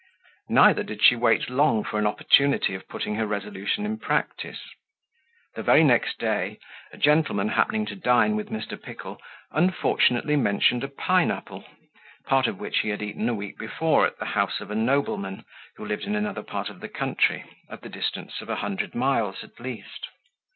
Neither did she wait long for an opportunity of putting her resolution in practice. The very next day a gentleman happening to dine with Mr. Pickle, unfortunately mentioned a pine apple, part of which he had eaten a week before at the house of a nobleman, who lived in another part of the country, at the distance of a hundred miles at least.